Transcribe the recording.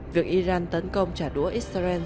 việc iran tấn công trả đũa israel